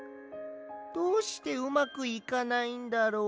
どうしてうまくいかないんだろう。